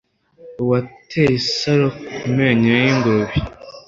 uwateye isaro ku menyo y'ingurube